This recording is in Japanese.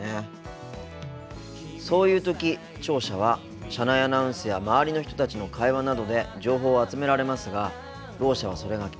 そういう時聴者は車内アナウンスや周りの人たちの会話などで情報を集められますがろう者はそれが聞こえません。